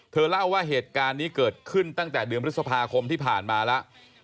เธอเล่าว่าเหตุการณ์นี้เกิดขึ้นตั้งแต่เดือนพฤษภาคมที่ผ่านมาแล้ว